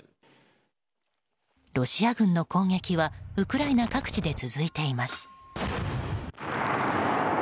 ロシア軍の攻撃はウクライナ各地で続いています。